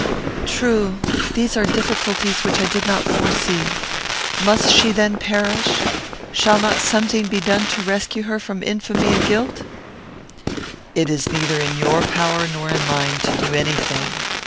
"True. These are difficulties which I did not foresee. Must she then perish? Shall not something be done to rescue her from infamy and guilt?" "It is neither in your power nor in mine to do any thing."